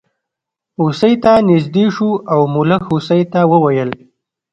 هوسۍ ته نژدې شو او ملخ هوسۍ ته وویل.